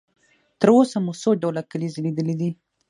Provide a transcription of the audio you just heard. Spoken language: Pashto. تر اوسه مو څو ډوله کلیزې لیدلې دي؟